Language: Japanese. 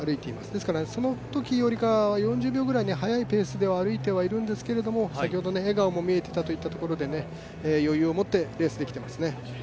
ですからそのときよりか４０秒くらい速いペースで歩いてはいるんですけれども、先ほど、笑顔も見えてたというところで余裕を持ってレースできてますね。